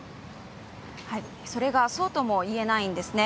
それがそうとも言えないんですね。